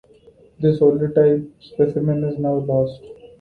This holotype specimen is now lost.